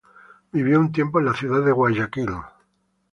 Vivió un tiempo en la ciudad de Guayaquil.